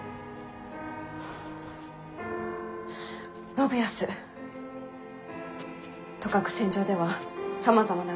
信康とかく戦場ではさまざまなうわさが流れます。